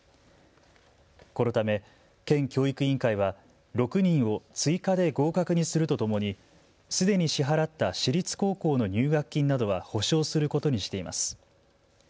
このため県教育委員会は６人を追加で合格にするとともにすでに支払った私立高校の入学金などは補償することにしています。